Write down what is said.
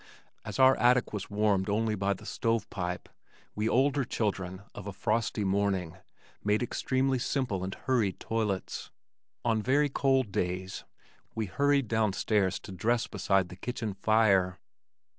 As our attic was warmed only by the stove pipe, we older children of a frosty morning made extremely simple and hurried toilets. On very cold days we hurried down stairs to dress beside the kitchen fire.